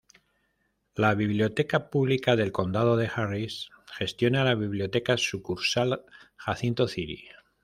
La Biblioteca Pública del Condado de Harris gestiona la Biblioteca Sucursal Jacinto City.